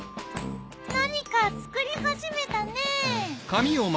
何か作り始めたね。